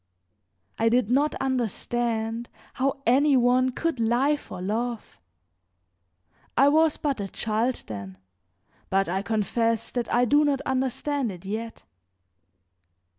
I did not understand how any one could lie for love; I was but a child then, but I confess that I do not understand it yet.